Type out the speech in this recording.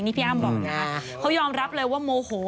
นี่พี่อ้ำบอกนะคะเขายอมรับเลยว่าโมโห